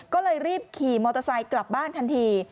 ก็เลยรีบขี่มอเตอร์ไซค์กลับบ้านทันที